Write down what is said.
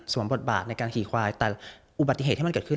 บทบาทในการขี่ควายแต่อุบัติเหตุที่มันเกิดขึ้น